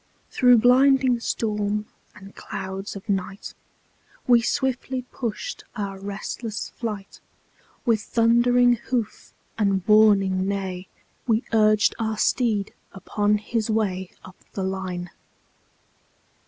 Through blinding storm and clouds of night, We swiftly pushed our restless flight; With thundering hoof and warning neigh, We urged our steed upon his way Up the line.